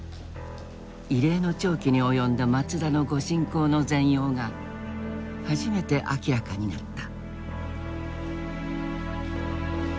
異例の長期に及んだ松田の御進講の全容が初めて明らかになった。